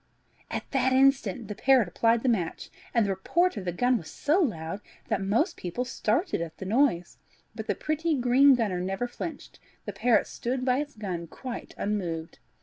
... At that instant the parrot applied the match, and the report of the cannon was so loud that most people started at the sound; but the pretty green gunner never flinched the parrot stood by its gun quite unmoved.